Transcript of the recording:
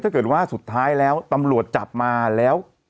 ถ้าเกิดว่าสุดท้ายแล้วตำรวจจับมาแล้ว